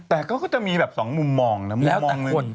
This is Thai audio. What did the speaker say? แต่ก็สมมุมมองแล้วแต่คน